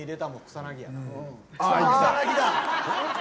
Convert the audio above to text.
草薙だ！